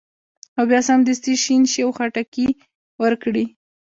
او باید سمدستي شین شي او خټکي ورکړي.